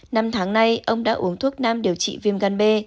năm tháng nay ông đã uống thuốc nam điều trị viêm gan b